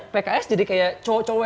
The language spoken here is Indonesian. pks jadi kayak cowok cowok